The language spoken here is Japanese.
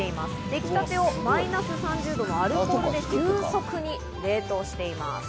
できたてをマイナス３０度のアルコールで急速に冷凍しています。